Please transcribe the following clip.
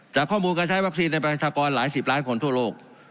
จากข้อมูลการใช้วัคซีนในประชากรหลายสิบล้านคนทั่วโลก